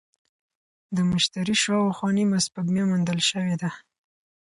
د مشتري شاوخوا نیمه سپوږمۍ موندل شوې ده.